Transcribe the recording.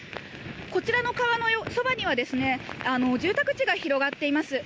こちらの川のそばには、住宅地が広がっています。